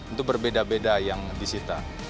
itu berbeda beda yang disita